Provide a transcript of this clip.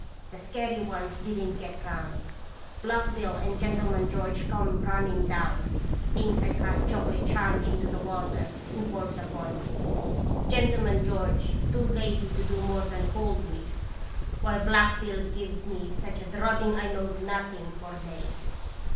The scary ones did n't get round. Black Bill and Gentleman George come running down, thinks I cast Chocolate Charley into the water, and falls upon me; Gentleman George, too lazy to do more than hold me, while Black Bill give me such a drub bing I knowed nothing for days.